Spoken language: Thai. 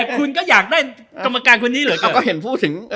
คุณก็อยากได้ทรมากการคนนี้เหรอ